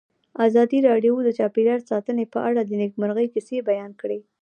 ازادي راډیو د چاپیریال ساتنه په اړه د نېکمرغۍ کیسې بیان کړې.